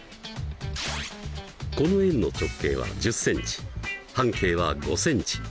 この円の直径は１０ｃｍ半径は５ｃｍ。